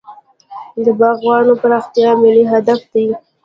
د باغونو پراختیا ملي هدف دی.